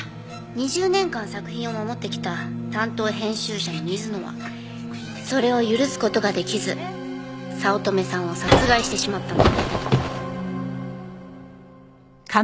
２０年間作品を守ってきた担当編集者の水野はそれを許す事ができず早乙女さんを殺害してしまったの。